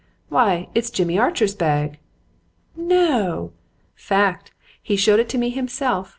"'Why, it's Jimmy Archer's bag.' "'No!' "'Fact. He showed it to me himself.